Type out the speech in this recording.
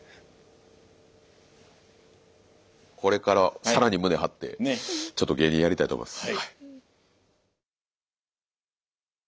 これから更に胸張ってちょっと芸人やりたいと思います。